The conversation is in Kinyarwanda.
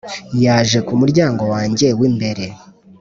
yaje ku muryango wanjye w'imbere